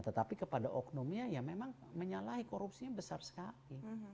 tetapi kepada oknumnya ya memang menyalahi korupsinya besar sekali